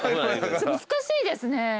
難しいですね